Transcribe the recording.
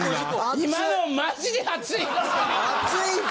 今のんマジで熱いやつ。